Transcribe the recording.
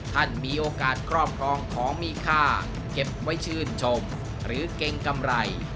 ท่านมีโอกาสครอบครองของมีค่าเก็บไว้ชื่นชมหรือเกรงกำไร